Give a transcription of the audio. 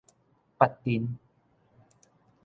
八珍